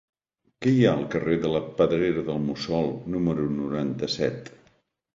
Què hi ha al carrer de la Pedrera del Mussol número noranta-set?